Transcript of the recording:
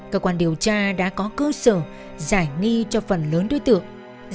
cơ quan điều tra đã có cơ sở giải nghi cho phần lớn đối tượng